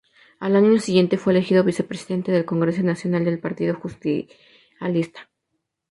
Al año siguiente fue elegido vicepresidente del congreso nacional del Partido Justicialista.